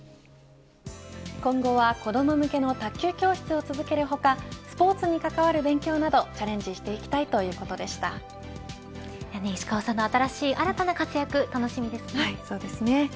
今後は、子ども向けの卓球教室を続ける他スポーツに関わる勉強などチャレンジしていきたい石川さんの新たな活躍そうですね。